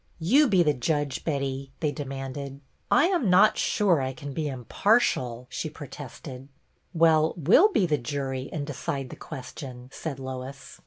"You be the judge,. Betty," they demanded. " I am not sure that I can be impartial," she protested. "Well, we'll be the jury and decide the question," said Lois.